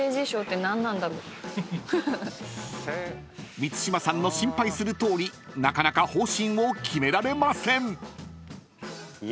［満島さんの心配するとおりなかなか方針を決められません］